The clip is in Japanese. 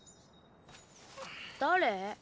誰？